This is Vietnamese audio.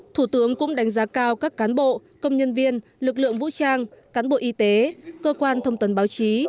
thủ tướng cũng đánh giá cao các cán bộ công nhân viên lực lượng vũ trang cán bộ y tế cơ quan thông tấn báo chí